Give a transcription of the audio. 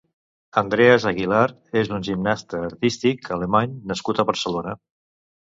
Andreas Aguilar és un gimnasta artístic alemany nascut a Barcelona.